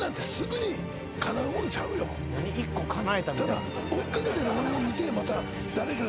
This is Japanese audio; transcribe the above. ただ。